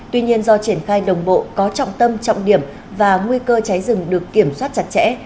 tuy nhiên do triển khai đồng bộ có trọng tâm trọng điểm và nguy cơ cháy rừng được kiểm soát chặt chẽ